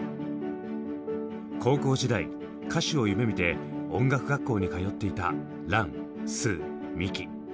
高校時代歌手を夢みて音楽学校に通っていたランスーミキ。